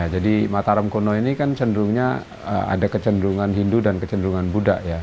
jadi mataram kuno ini kan cenderungnya ada kecenderungan hindu dan kecenderungan buddha ya